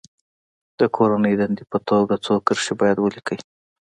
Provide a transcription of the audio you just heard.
د کورنۍ دندې په توګه څو کرښې باید ولیکي.